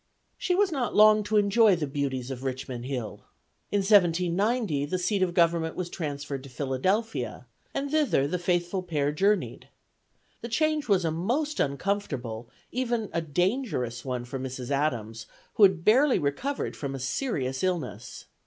..." She was not long to enjoy the beauties of Richmond Hill. In 1790, the seat of government was transferred to Philadelphia, and thither the faithful pair journeyed. The change was a most uncomfortable, even a dangerous one for Mrs. Adams, who had barely recovered from a serious illness.